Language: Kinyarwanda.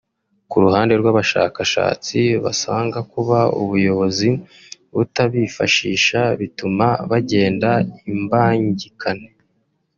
Ku ruhande rw’abashakashatsi basanga kuba ubuyobozi butabifashisha bituma bagenda imbangikane